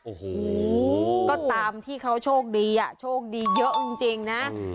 โอ้โหก็ตามที่เขาโชคดีอ่ะโชคดีเยอะจริงนะ